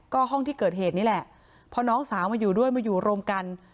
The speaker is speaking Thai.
ก็ห้องที่เกิดเหตุนี่แหละพอน้องสาวมาอยู่ด้วยมาอยู่รวมกัน